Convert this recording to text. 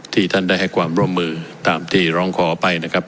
ท่านได้ให้ความร่วมมือตามที่ร้องขอไปนะครับ